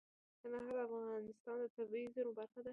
کندهار د افغانستان د طبیعي زیرمو برخه ده.